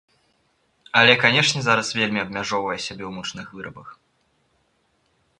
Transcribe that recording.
Але, канешне, зараз вельмі абмяжоўвае сябе ў мучных вырабах.